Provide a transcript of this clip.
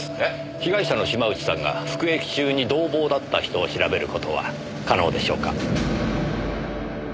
被害者の島内さんが服役中に同房だった人を調べる事は可能でしょうか？